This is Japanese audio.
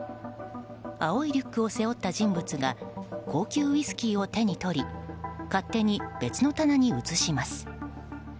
青いリュックを背負った人物が高級ウイスキーを手に取り勝手に別の棚に移します。